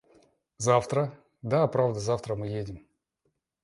Завтра... Да, правда, завтра мы едем.